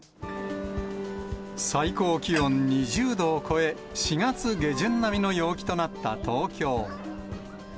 最高気温２０度を超え、４月下旬並みの陽気となった東京。